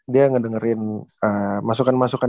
dia ngedengerin masukan masukan